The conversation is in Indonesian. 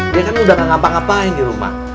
dia kan udah gak ngapa ngapain di rumah